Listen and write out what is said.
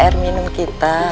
dia akan minum kita